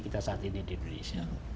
bisa kita pasang dalam waktu dekat